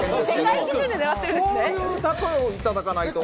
そういう例えをいただかないと。